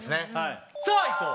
さあいこう。